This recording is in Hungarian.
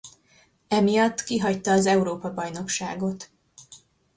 Emiatt kihagyta az Európa-bajnokságot.